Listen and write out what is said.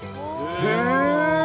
へえ。